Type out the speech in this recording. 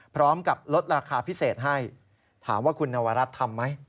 พร้อมกับลดราคาพิเศษให้ถามว่าคุณนวรัฐทำไหม